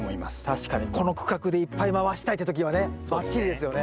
確かにこの区画でいっぱい回したいって時はねバッチリですよね。